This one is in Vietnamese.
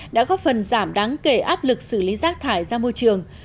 đã góp phần giảm đáng kể áp lực xử lý rác thải ra môi trường